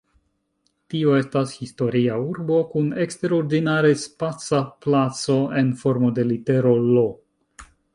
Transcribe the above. Tio estas historia urbo kun eksterordinare spaca placo en formo de litero "L".